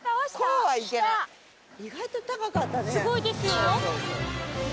すごいですよ。